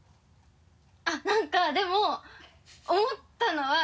あっなんかでも思ったのは。